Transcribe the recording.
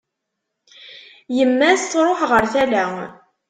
Yemma-s truḥ ɣer tala.